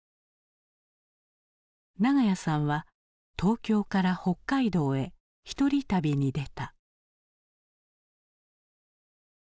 長屋さんは東京から北海道へ１人旅に出た。